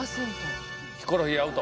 ヒコロヒーアウト。